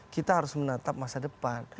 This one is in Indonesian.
kita harus menatap masa depan